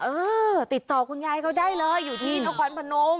เออติดต่อคุณยายเขาได้เลยอยู่ที่นครพนม